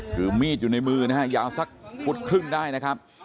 ถือมีดอยู่ในมือนะฮะยาวสักฟุตครึ่งได้นะครับ